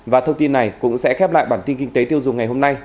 và thông tin này cũng sẽ khép lại bản tin kinh tế tiêu dùng ngày hôm nay